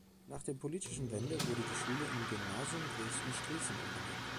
Nach der politischen Wende wurde die Schule in "Gymnasium Dresden-Striesen" umbenannt.